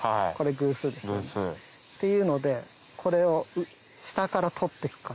偶数。っていうのでこれを下から取ってく感じ。